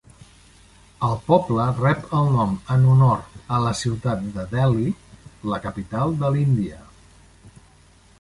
El poble rep el nom en honor a la ciutat de Delhi, la capital de l'Índia.